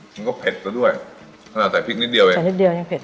ค่ะมันก็เผ็ดก็ด้วยถ้าแต่พริกนิดเดียวเองแต่นิดเดียวยังเผ็ดเลย